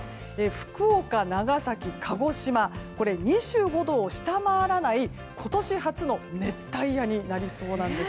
福岡、長崎、鹿児島２５度を下回らない今年初の熱帯夜になりそうなんです。